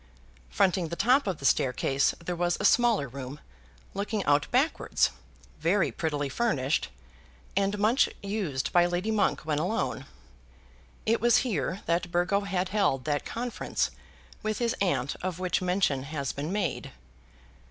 Fronting the top of the staircase there was a smaller room, looking out backwards, very prettily furnished, and much used by Lady Monk when alone. It was here that Burgo had held that conference with his aunt of which mention has been made.